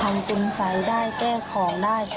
ทำกุญไสห์ได้แก้ของได้